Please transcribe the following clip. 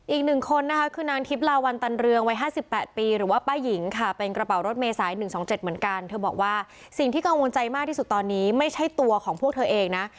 อีกหนึ่งคนนะคะคือนางทิพลาวันตันเรืองวัย๕๘ปีหรือว่าป้าหญิงค่ะเป็นกระเป๋ารถเมษาย๑๒๗เหมือนกันเธอบอกว่าสิ่งที่กังวลใจมากที่สุดตอนนี้ไม่ใช่ตัวของพวกเธอเองนะ